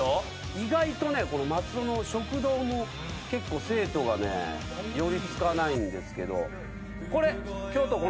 意外とねこの松尾の食堂も結構生徒がね寄り付かないんですけどこれ教頭